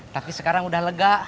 tapi sekarang udah lega